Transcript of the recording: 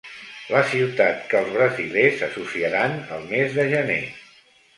La ciutat que els brasilers associaran al mes de gener.